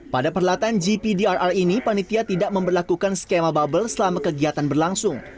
pada perlatan gpdrr ini panitia tidak memperlakukan skema bubble selama kegiatan berlangsung